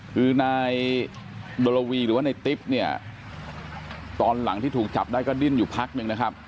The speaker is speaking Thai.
คือในโลวีหรือว่าในติ๊กตอนหลังที่ถูกจับได้ก็ดิ้นอยู่พักหนึ่ง